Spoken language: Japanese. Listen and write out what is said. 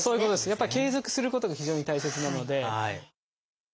やっぱり継続することが非常に大切なので。